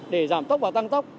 để giảm tốc và tăng tốc